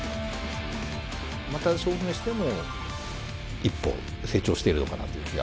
また勝負メシでも、一歩成長しているのかなという気が。